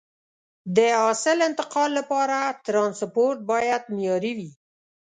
د حاصل انتقال لپاره ترانسپورت باید معیاري وي.